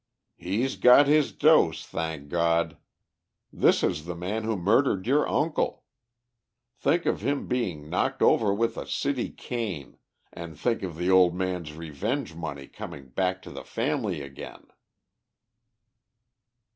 "He's got his dose, thank God. This is the man who murdered your uncle. Think of him being knocked over with a city cane, and think of the old man's revenge money coming back to the family again!"